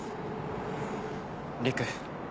陸。